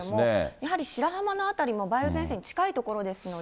やはり白浜の辺りも梅雨前線に近い所ですので。